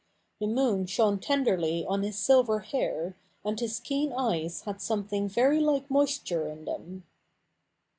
The mobn shitme tenderly on his silver hair, and his keen eyes hadi"^mething very like moisture in them.